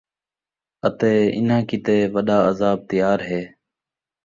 اَتے انھاں کِیتے وَݙا عذاب تیار ہے ۔